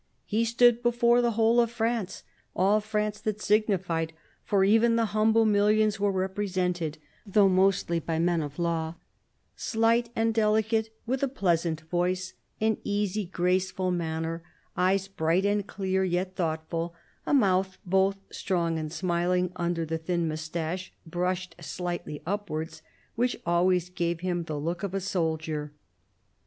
He stood before the whole of France — all France that signified, for even the humble millions were represented, though mostly by men of law — slight and delicate, with a pleasant voice, an easy, graceful manner, eyes bright and clear, yet thoughtful, a mouth both strong and smiling under the thin moustache brushed sharply upwards, which always gave him the look of a soldier.